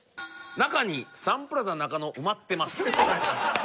中にサンプラザ中野埋まってます。